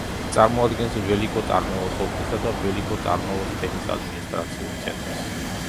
წარმოადგენს ველიკო-ტარნოვოს ოლქისა და ველიკო-ტარნოვოს თემის ადმინისტრაციულ ცენტრს.